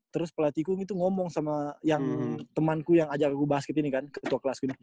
terus pelatihku ngomong sama temenku yang ajak aku basket ini kan ketua kelas